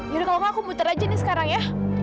yaudah kalau gak aku muter aja nih sekarang ya